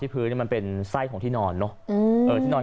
พื้นมันเป็นไส้ของที่นอนเนอะ